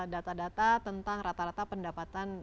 data data tentang rata rata pendapatan